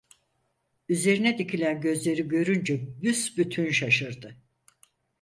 Üzerine dikilen gözleri görünce büsbütün şaşırdı.